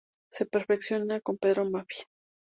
Se perfecciona con Pedro Maffia.